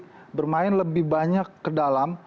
mereka bisa bermain lebih banyak ke dalam